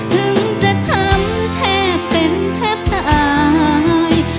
ถึงจะช้ำแทบเป็นแทบตาย